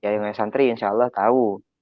ya yang lain santri insya allah tahu